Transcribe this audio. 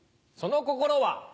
その心は。